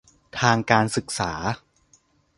ทางการศึกษา